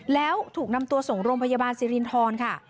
แล้วถูกนำตัวส่งโรงพยาบาลสิรินทรค่ะ